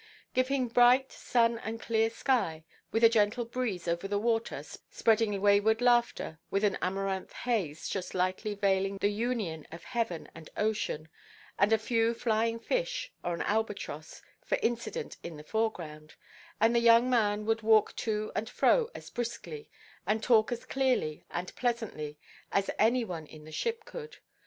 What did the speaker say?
Give him bright sun and clear sky, with a gentle breeze over the water spreading wayward laughter, with an amaranth haze just lightly veiling the union of heaven and ocean, and a few flying–fish, or an albatross, for incident in the foreground—and the young man would walk to and fro as briskly, and talk as clearly and pleasantly, as any one in the ship could.